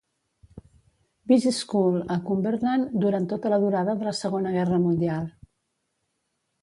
Bees School a Cumberland durant tota la durada de la Segona Guerra Mundial.